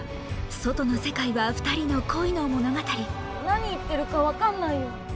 外の世界は２人の恋の物語何言ってるか分かんないよ。